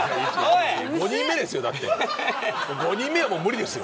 ５人目はもう無理ですよ。